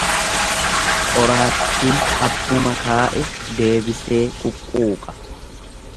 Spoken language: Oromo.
Qoraattiin abbuma kaa'e deebisee quqquuqa.